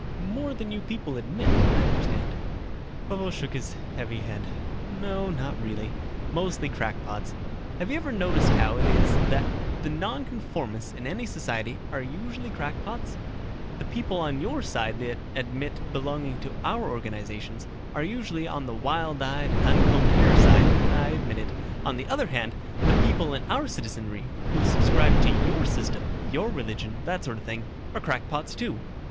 "More than you people admit, I understand." Vovo shook his heavy head. "No, not really. Mostly crackpots. Have you ever noticed how it is that the nonconformists in any society are usually crackpots? The people on your side that admit belonging to our organizations, are usually on the wild eyed and uncombed hair side I admit it. On the other hand, the people in our citizenry who subscribe to your system, your religion, that sort of thing, are crackpots, too.